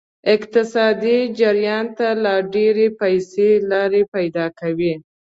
اقتصادي جریان ته لا ډیرې پیسې لار پیدا کوي.